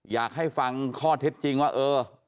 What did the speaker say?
อยากให้ฟังข้อเท็จจริงว่าเออ